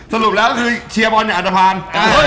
สรุปแล้วคือเชียร์บอนเหมือนอันตภัณฑ์